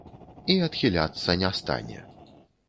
І адхіляцца не стане.